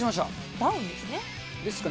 ダウンですね。